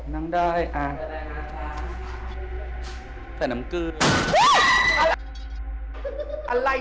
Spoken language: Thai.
นั่งอะไรยังไง